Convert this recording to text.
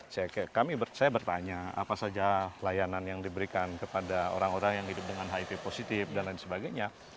saya bertanya apa saja layanan yang diberikan kepada orang orang yang hidup dengan hiv positif dan lain sebagainya